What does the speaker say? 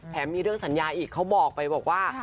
มีเรื่องสัญญาอีกเขาบอกไปบอกว่า